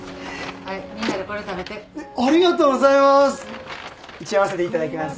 ありがとうございます。